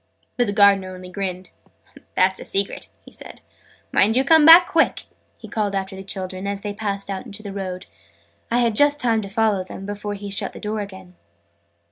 But the Gardener only grinned. "That's a secret!" he said. "Mind you come back quick!" he called after the children, as they passed out into the road. I had just time to follow them, before he shut the door again.